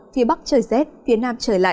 phía bắc trời rét phía nam trời